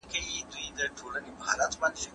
هغې خپل ټیکری په سر سم کړ.